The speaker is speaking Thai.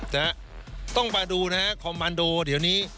นะฮะต้องมาดูนะฮะคอมมันโดเดี๋ยวนี้